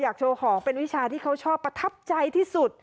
โชว์ของเป็นวิชาที่เขาชอบประทับใจที่สุด